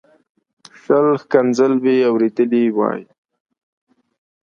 شل ښکنځل به یې اورېدلي وای.